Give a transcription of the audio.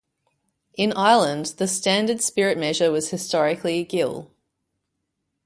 In Ireland, the standard spirit measure was historically gill.